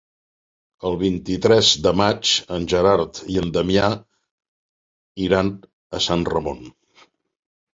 El vint-i-tres de maig en Gerard i en Damià iran a Sant Ramon.